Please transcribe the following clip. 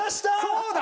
そうだ！